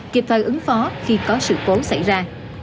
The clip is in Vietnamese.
kịp thời ứng phó khi có sự cố xảy ra